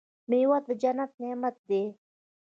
میوه د جنت نعمت دی.